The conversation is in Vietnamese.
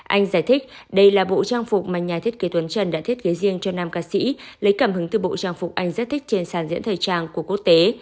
anh giải thích đây là bộ trang phục mà nhà thiết kế tuấn trần đã thiết kế riêng cho nam ca sĩ lấy cảm hứng từ bộ trang phục anh rất thích trên sàn diễn thời trang của quốc tế